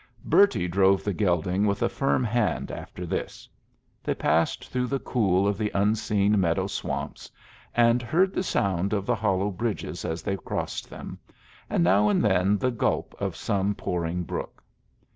Bertie drove the gelding with a firm hand after this. They passed through the cool of the unseen meadow swamps, and heard the sound of the hollow bridges as they crossed them, and now and then the gulp of some pouring brook.